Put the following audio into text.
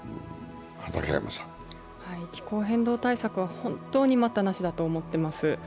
気候変動対策は本当に待ったなしだと思っています。